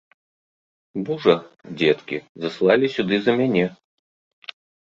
Мужа, дзеткі, заслалі сюды за мяне.